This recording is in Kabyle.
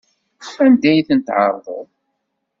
Anda i ten-tɛerḍeḍ?